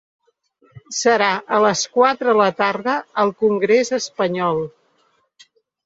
Serà a les quatre de la tarda al congrés espanyol.